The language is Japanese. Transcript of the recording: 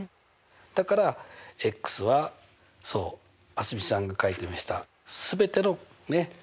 だからはそう蒼澄さんが書いてました「すべての数」。